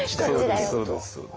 そうですそうです。